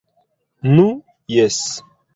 Nu, jes.